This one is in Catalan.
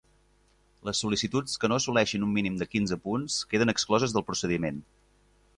Les sol·licituds que no assoleixin un mínim de quinze punts queden excloses del procediment.